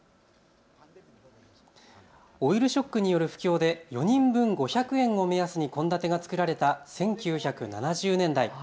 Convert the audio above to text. オイルショックによる不況で４人分５００円を目安に献立が作られた１９７０年代。